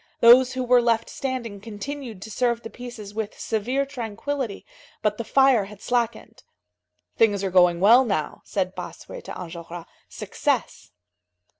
Those who were left standing continued to serve the pieces with severe tranquillity, but the fire had slackened. "Things are going well now," said Bossuet to Enjolras. "Success."